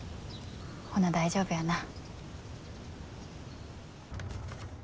ほな大丈夫やな。